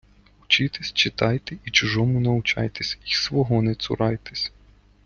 Учітесь, читайте, і чужому научайтесь, й свого не цурайтесь